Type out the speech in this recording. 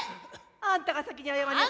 あんたが先に謝りなさい。